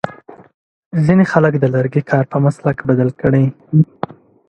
ځینې خلک د لرګي کار په مسلک بدل کړی.